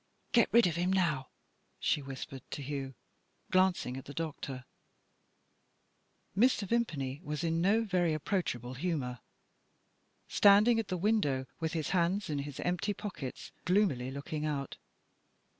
"Get rid of him now," she whispered to Hugh, glancing at the doctor. Mr. Vimpany was in no very approachable humour standing at the window, with his hands in his empty pockets, gloomily looking out.